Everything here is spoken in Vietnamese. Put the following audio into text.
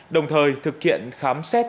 đồng thời thực hiện khám xét